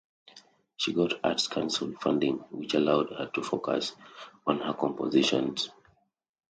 She got Arts Council funding which allowed her to focus on her compositions.